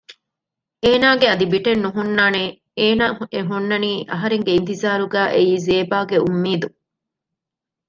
އޭނަގެ އަދި ބިޓެއް ނުހުންނާނެއޭނަ އެހުންނަނީ އަހަރެންގެ އިންތިޒާރުގައި އެއީ ޒޭބާގެ އުންމީދު